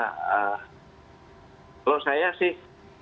kalau saya sih